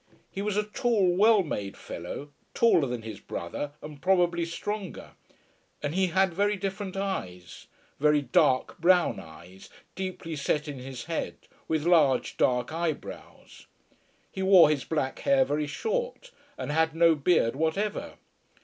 He was a tall, well made fellow, taller than his brother, and probably stronger; and he had very different eyes, very dark brown eyes, deeply set in his head, with large dark eyebrows. He wore his black hair very short, and had no beard whatever.